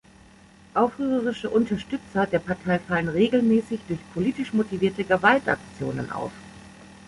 Aufrührerische Unterstützer der Partei fallen regelmäßig durch politisch motivierte Gewaltaktionen auf.